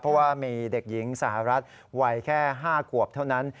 เพราะว่ามีเด็กหญิงสหรัฐวัยแค่๕ขวบเท่านั้น